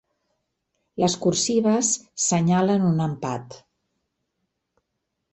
Les cursives senyalen un empat.